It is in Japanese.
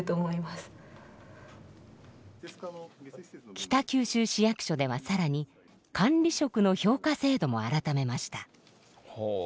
北九州市役所では更に管理職の評価制度も改めました。